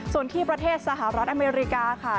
ส่วนที่ประเทศสหรัฐอเมริกาค่ะ